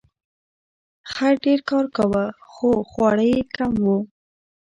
خر ډیر کار کاوه خو خواړه یې کم وو.